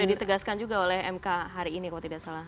jadi itu yang saya ingin tahu dari m k hari ini kalau tidak salah